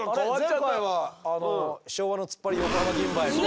前回は昭和のツッパリ横浜銀蝿みたいな。